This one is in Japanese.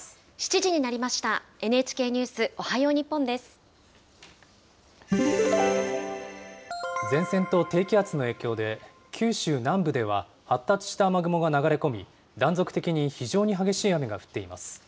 ７時になりました、前線と低気圧の影響で、九州南部では発達した雨雲が流れ込み、断続的に非常に激しい雨が降っています。